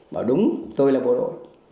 bảo đúng tôi là bộ đội